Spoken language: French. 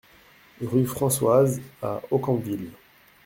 RUE FRANCOISE à Aucamville